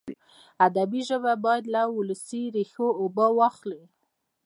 ادبي ژبه باید له ولسي ریښو اوبه واخلي.